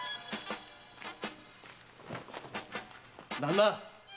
旦那！